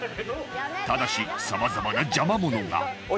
ただしさまざまな邪魔者が